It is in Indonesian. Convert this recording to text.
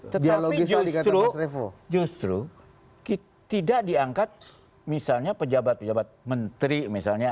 tetapi justru tidak diangkat misalnya pejabat pejabat menteri misalnya